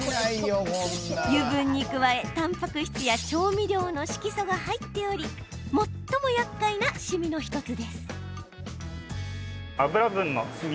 油分に加え、たんぱく質や調味料の色素が入っており最も、やっかいなしみの１つです。